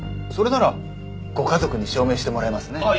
それならご家族に証明してもらえますね。